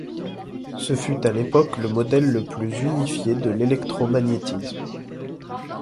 Ce fut à l'époque le modèle le plus unifié de l'électromagnétisme.